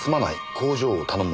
工場を頼む。